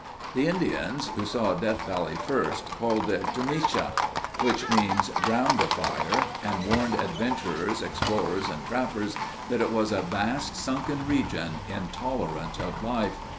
The Indians, who saw Death Valley first, called it "Tomesha," which means Ground Afire, and warned adventurers, explorers, and trappers that it was a vast sunken region, intolerant of life.